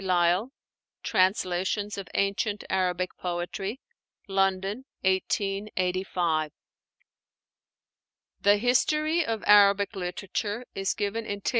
Lyall, 'Translations of Ancient Arabic Poetry' (London, 1885). The history of Arabic literature is given in Th.